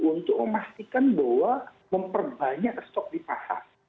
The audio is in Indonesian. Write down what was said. untuk memastikan bahwa memperbanyak stok di pasar